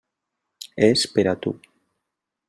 És per a tu.